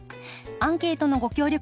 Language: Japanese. アンケートのご協力